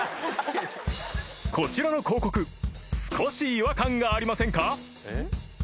［こちらの広告少し違和感がありませんか？］